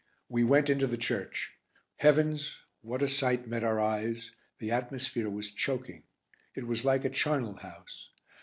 We went into the church. Heavens! what a sight met our eyes; the atmosphere was choking. It was like a charnel house.